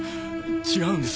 違うんです。